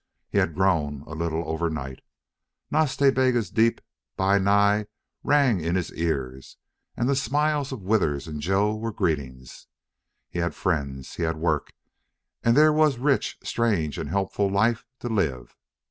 He had grown a little overnight. Nas Ta Bega's deep "Bi Nai" rang in his ears, and the smiles of Withers and Joe were greetings. He had friends; he had work; and there was rich, strange, and helpful life to live.